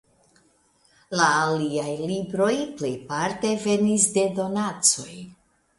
La aliaj libroj plejparte venis de donacoj.